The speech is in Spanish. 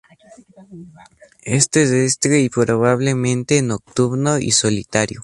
Es terrestre y probablemente nocturno y solitario.